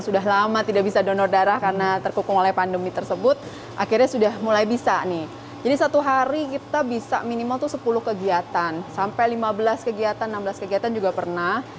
sampai lima belas kegiatan enam belas kegiatan juga pernah